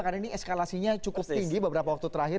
karena ini eskalasinya cukup tinggi beberapa waktu terakhir